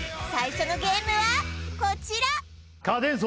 最初のゲームはこちら家電